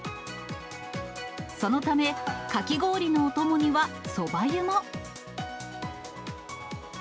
そのため、かき氷のお供にはそば湯も。